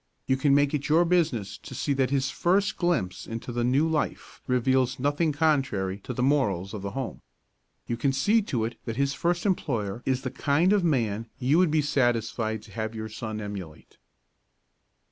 You can make it your business to see that his first glimpse into the new life reveals nothing contrary to the morals of the home. You can see to it that his first employer is the kind of man you would be satisfied to have your son emulate.